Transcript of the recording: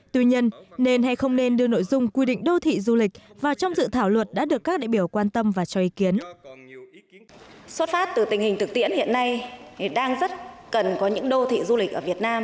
tuy nhiên nên hay không nên đưa nội dung quy định đô thị du lịch vào trong dự thảo luật đã được các đại biểu quan tâm và cho ý kiến